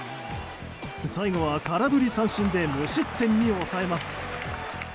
最後は空振り三振で無失点に抑えます。